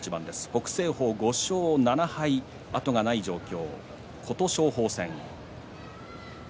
北青鵬、５勝７敗、後がない状況。